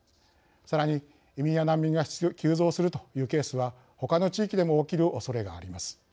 さらに移民や難民が急増するというケースはほかの地域でも起きるおそれがあります。